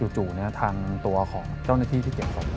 ทางตัวของเจ้าหน้าที่ที่เก็บศพ